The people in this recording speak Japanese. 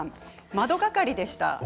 窓係でした。